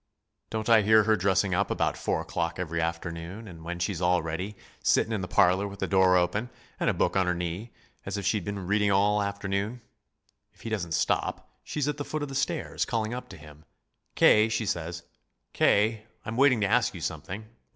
Don't I hear her dressing up about four o'clock every afternoon, and, when she's all ready, sittin' in the parlor with the door open, and a book on her knee, as if she'd been reading all afternoon? If he doesn't stop, she's at the foot of the stairs, calling up to him. 'K.,' she says, 'K., I'm waiting to ask you something!'